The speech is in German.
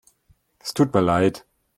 Es tut mir leid.